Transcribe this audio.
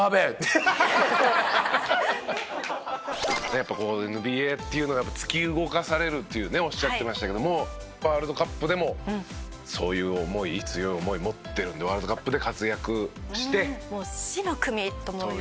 やっぱこうＮＢＡっていうのが突き動かされるというねおっしゃってましたけどもワールドカップでもそういう思い言われてますよねワールドカップね。